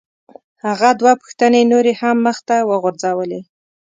هغه دوه پوښتنې نورې هم مخ ته وغورځولې.